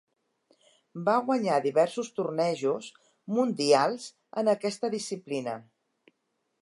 Va guanyar diversos tornejos mundials en aquesta disciplina.